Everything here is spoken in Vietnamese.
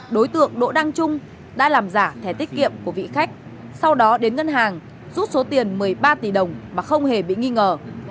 đối tượng đỗ đăng trung đã làm giả thẻ tiết kiệm của vị khách sau đó đến ngân hàng rút số tiền một mươi ba tỷ đồng mà không hề bị nghi ngờ